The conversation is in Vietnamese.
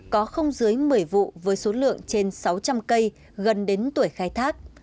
có không dưới một mươi vụ với số lượng trên sáu trăm linh cây gần đến tuổi khai thác